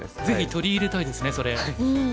ぜひ取り入れたいですねそれ。